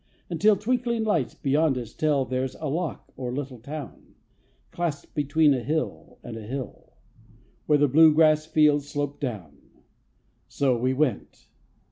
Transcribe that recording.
Until Twinkling lights beyond us tell There's a lock or little town, Clasped between a hill and hill, Where the blue grass fields slope down. So we went.